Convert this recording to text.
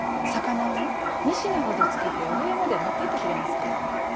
肴をね３品ほどつけてお部屋まで持っていってくれますか。